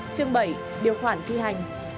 chương bảy điều khoản thi hành